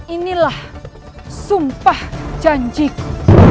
inilah sumpah janjiku